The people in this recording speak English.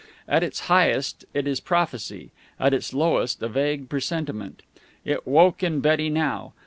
At its highest, it is prophecy; at its lowest, a vague presentiment. It woke in Betty now.